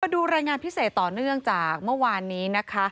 ดูรายงานพิเศษต่อเนื่องจากเมื่อวานนี้นะคะ